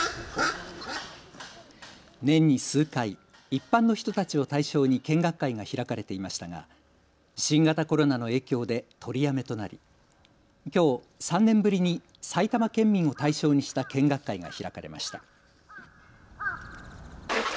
年に数回、一般の人たちを対象に見学会が開かれていましたが新型コロナの影響で取りやめとなりきょう３年ぶりに埼玉県民を対象にした見学会が開かれました。